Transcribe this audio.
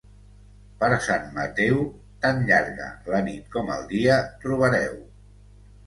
Per Sant Mateu, tan llarga la nit com el dia trobareu.